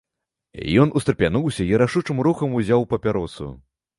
Ён устрапянуўся і рашучым рухам узяў папяросу.